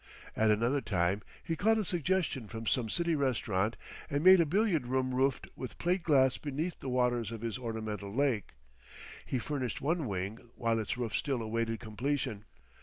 At another time he caught a suggestion from some city restaurant and made a billiard room roofed with plate glass beneath the waters of his ornamental lake. He furnished one wing while its roof still awaited completion.